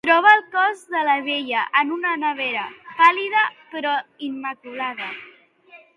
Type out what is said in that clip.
Troba el cos de la vella en una nevera, pàl·lida però immaculada.